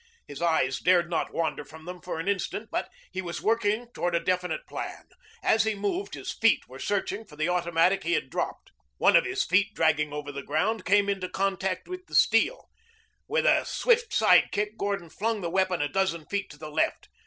His eyes dared not wander from them for an instant, but he was working toward a definite plan. As he moved, his feet were searching for the automatic he had dropped. One of his feet, dragging over the ground, came into contact with the steel. With a swift side kick Gordon flung the weapon a dozen feet to the left.